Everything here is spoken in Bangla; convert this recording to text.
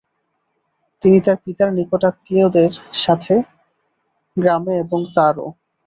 তিনি তার পিতার নিকটাত্মীয়ের সাথে গ্রামে এবং তারও